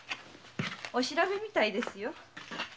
お調べみたいですよ。